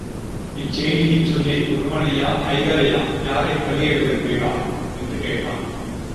இச்செய்தியைச் சொல்லி ஒருவனையா ஐவரையா யாரைப் பலியிட விரும்புகிறாய்? என்று கேட்டான்.